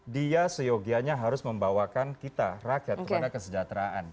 dia seyogianya harus membawakan kita rakyat kepada kesejahteraan